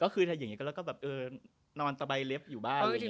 คิดแบบนอนสะใบเล็บอยู่บ้าง